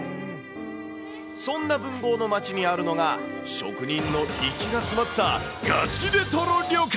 そんな文豪の町にあるのが、職人の粋が詰まったガチレトロ旅館。